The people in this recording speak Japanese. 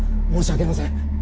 申し訳ありません。